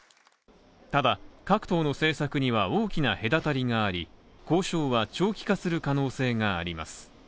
ただ各党の政策には大きな隔たりがあり交渉は長期化する可能性があります。